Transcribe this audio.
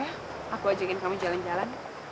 gak apa apa ya aku ajakin kamu jalan jalan